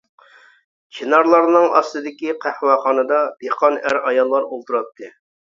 چىنارلارنىڭ ئاستىدىكى قەھۋەخانىدا دېھقان ئەر-ئاياللار ئولتۇراتتى.